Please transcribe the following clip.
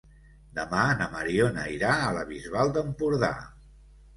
Demà na Mariona irà a la Bisbal d'Empordà.